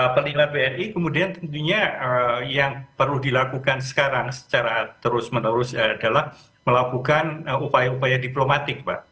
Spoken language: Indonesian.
penilai bni kemudian tentunya yang perlu dilakukan sekarang secara terus menerus adalah melakukan upaya upaya diplomatik pak